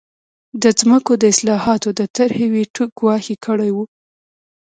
د ځمکو د اصلاحاتو د طرحې ویټو ګواښ یې کړی و.